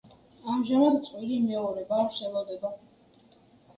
ამჟამად წყვილი მეორე ბავშვს ელოდება.